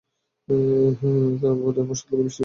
তাদের উপর মুষলধারে বৃষ্টি বর্ষণ করেছিলাম।